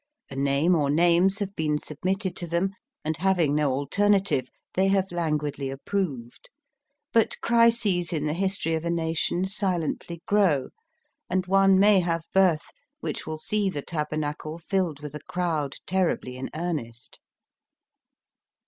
A name or names have been submitted to them, and having no alternative, they have languidly approved. But crises in the history of a nation silently grow, and one may have birth which will see the Tabernacle filled with a crowd terribly in earnest.